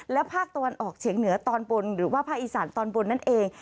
และภาคตะวันออกเฉียงเหนือตอนบนหรือว่าภาคอีสานตอนบนนั่นเอง